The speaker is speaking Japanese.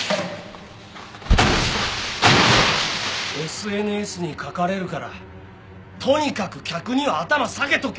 ＳＮＳに書かれるからとにかく客には頭下げとけって。